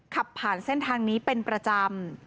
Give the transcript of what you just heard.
ขับผ่านเส้นทางนี้เป็นประจำ